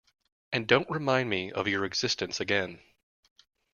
And don’t remind me of your existence again.